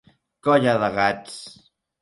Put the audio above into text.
Colla de gats.